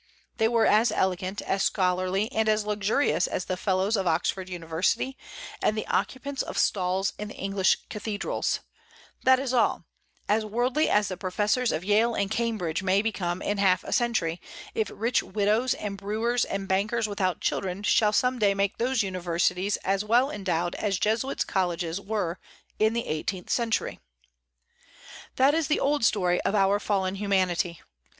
They were as elegant, as scholarly, and as luxurious as the Fellows of Oxford University, and the occupants of stalls in the English cathedrals, that is all: as worldly as the professors of Yale and Cambridge may become in half a century, if rich widows and brewers and bankers without children shall some day make those universities as well endowed as Jesuit colleges were in the eighteenth century. That is the old story of our fallen humanity.